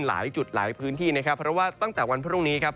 หลายจุดหลายพื้นที่นะครับเพราะว่าตั้งแต่วันพรุ่งนี้ครับ